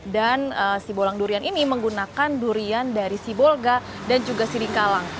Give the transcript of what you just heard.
dan sibolang durian ini menggunakan durian dari sibolga dan juga sirikalang